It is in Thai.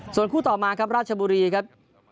ส่วนคู่ต่อมาครับราชบุรีครับ